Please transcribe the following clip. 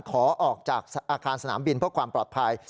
ขอออกจากอาคารสนามบินเพื่อความปลอดภัย